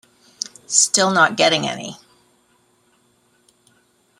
Still Not Getting Any...